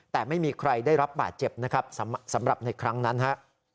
แต่ไม่มีใครได้รับบาดเจ็บนะครับสำหรับในครั้งนั้นฮะ